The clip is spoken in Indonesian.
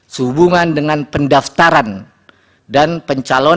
sehubungan dengan pendaftaran dan pencalonan